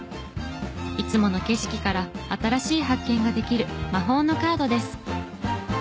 いつもの景色から新しい発見ができる魔法のカードです。